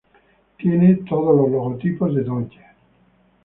Tiene todos los logotipos de Dodge.